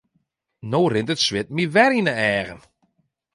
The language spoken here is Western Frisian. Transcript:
No rint it swit my wer yn 'e eagen.